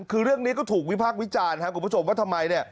คือเรื่องนี้ก็ถูกวิพากษ์วิจารณ์ครับคุณผู้ชมว่าทำไม